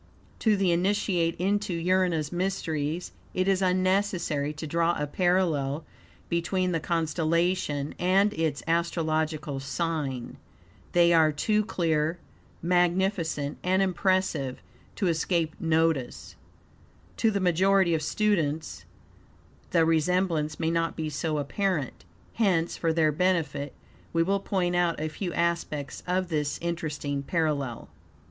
To the Initiate into Urania's mysteries it is unnecessary to draw a parallel between the constellation and its astrological sign. They are too clear, magnificent and impressive to escape notice. To the majority of students the resembance may not be so apparent, hence, for their benefit, we will point out a few aspects of this interesting parallel.